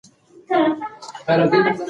د چای پیاله یې په لاس کې ونیوله.